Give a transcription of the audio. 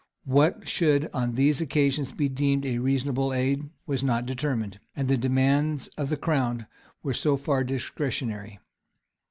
What should on these occasions be deemed a reasonable aid, was not determined; and the demands of the crown were so far discretionary.